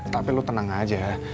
tapi kamu tenang saja